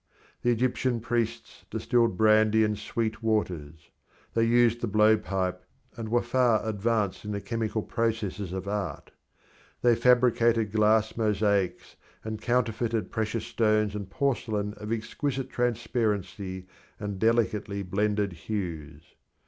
The Egyptian priests distilled brandy and sweet waters. They used the blow pipe, and were far advanced in the chemical processes of art. They fabricated glass mosaics, and counterfeited precious stones and porcelain of exquisite transparency and delicately blended hues.